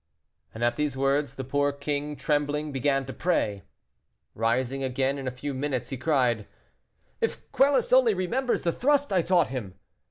And at these words, the poor king, trembling, began to pray. Rising again in a few minutes, he cried: "If Quelus only remembers the thrust I taught him!